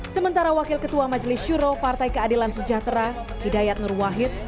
sementara wakil ketua majelis syuro partai keadilan sejahtera hidayat nur wahid